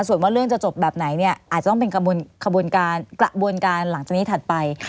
ส่วนว่าเรื่องจะจบแบบไหนเนี่ยอาจจะต้องเป็นขบวนการกระบวนการหลังจากนี้ถัดไป